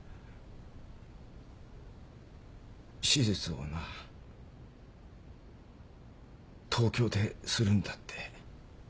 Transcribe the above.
手術をな東京でするんだって。